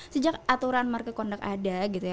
sejak aturan market conduct ada